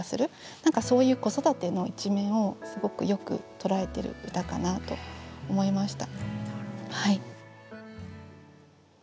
そういう子育ての一面をすごくよく捉えてる歌かなと思いました。